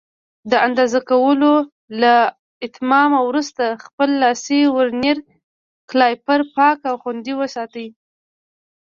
د اندازه کولو له اتمامه وروسته خپل لاسي ورنیر کالیپر پاک او خوندي وساتئ.